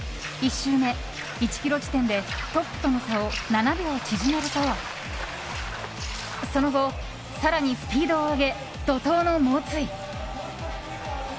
１周目、１ｋｍ地点でトップとの差を７秒縮めるとその５、更にスピードを上げ怒涛の猛追。